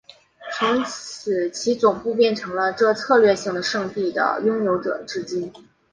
从此其总部变成了这策略性的圣地的拥有者至今。